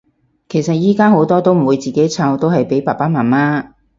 其實依家好多都唔會自己湊，都係俾爸爸媽媽